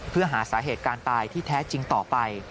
เพื่อหาสาเหตุการณ์ตายที่แท้จริงต่อไป